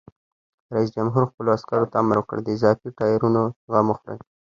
رئیس جمهور خپلو عسکرو ته امر وکړ؛ د اضافي ټایرونو غم وخورئ!